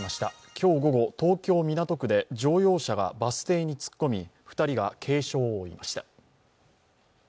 今日午後、東京・港区で乗用車がバス停に突っ込み、２人が軽傷を負いました。